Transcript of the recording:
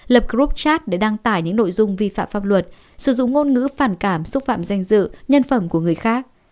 lập group chat để đăng tải những nội dung vi phạm pháp luật sử dụng ngôn ngữ phản cảm xúc phạm danh dự nhân phẩm của người khác